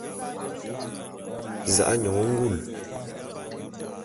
Za'a nyone ngule.